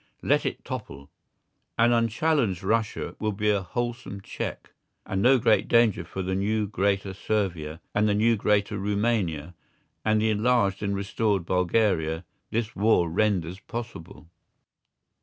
Let it topple. An unchallenged Russia will be a wholesome check, and no great danger for the new greater Servia and the new greater Rumania and the enlarged and restored Bulgaria this war renders possible.